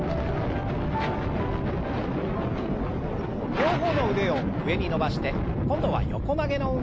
両方の腕を上に伸ばして今度は横曲げの運動です。